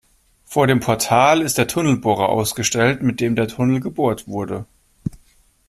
Vor dem Portal ist der Tunnelbohrer ausgestellt, mit dem der Tunnel gebohrt wurde.